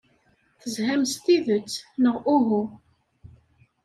Tezham s tidet, neɣ uhu?